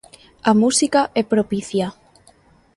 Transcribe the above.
A música é propicia.